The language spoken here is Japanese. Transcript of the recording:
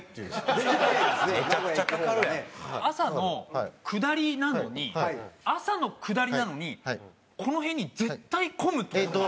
朝の下りなのに朝の下りなのにこの辺に絶対混む所が。